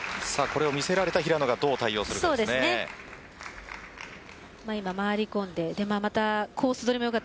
これを見せられた平野がどう対応するか。